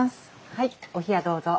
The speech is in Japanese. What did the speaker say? はいお冷やどうぞ。